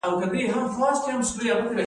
د سرطان حجرو بې کنټروله وده کوي.